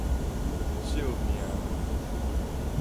惜命